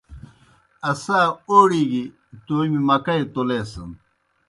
اسا اوڑیْ گیْ تومیْ مکئی تولیسَن۔